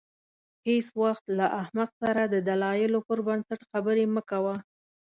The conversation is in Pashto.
هېڅ وخت له احمق سره د دلایلو پر بنسټ خبرې مه کوه.